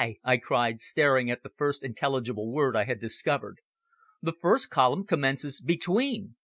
I cried, staring at the first intelligible word I had discovered. "The first column commences `Between.'"